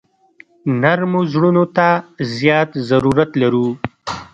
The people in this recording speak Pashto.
نرمو زړونو ته زیات ضرورت لرو.